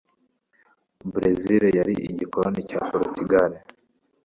Burezili yari igikoloni cya Porutugali